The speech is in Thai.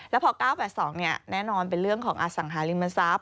แล้วพอ๙๘๒แน่นอนเป็นเรื่องของอสังหาริมทรัพย